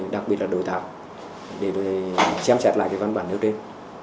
đặc biệt là đối tạo để xem xét lại văn bản nước trên